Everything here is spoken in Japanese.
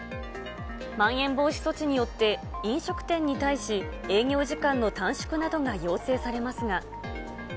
まん延防止措置によって、飲食店に対し、営業時間の短縮などが要請されますが。